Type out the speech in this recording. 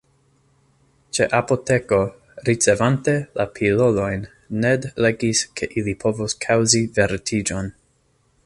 Ĉe apoteko, ricevante la pilolojn, Ned legis ke ili povos kaŭzi vertiĝon.